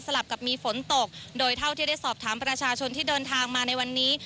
ลับกับมีฝนตกโดยเท่าที่ได้สอบถามประชาชนที่เดินทางมาในวันนี้